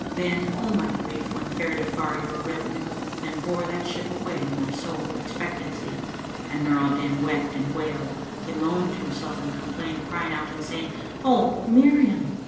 Then, O my Grief when fared afar your retinue * And bore that ship away my sole expectancy." And Nur al Din wept and wailed, bemoaned himself and complained, crying out and saying, "O Miriam!